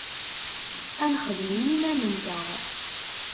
Ad nexdem i yiman-nteɣ.